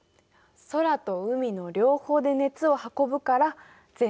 空と海の両方で熱を運ぶから全熱なんだね。